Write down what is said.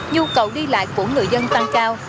nhu cầu đi lại của người dân tăng cao